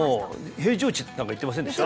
平常値って言ってませんでした？